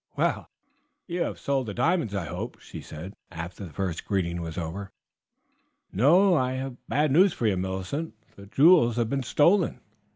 "Well, you have sold the diamonds, I hope?" she said, after the first greeting was over. "No; I have bad news for you, Millicent; the jewels have been stolen."